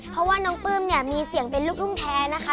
เพราะว่าน้องปลื้มเนี่ยมีเสียงเป็นลูกทุ่งแท้นะคะ